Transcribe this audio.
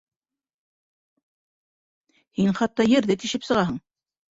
Һин хатта ерҙе тишеп сығаһың.